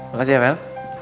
makasih ya mel